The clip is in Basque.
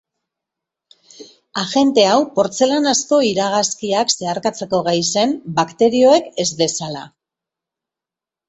Agente hau portzelanazko iragazkiak zeharkatzeko gai zen, bakterioek ez bezala.